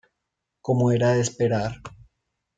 Como era de esperar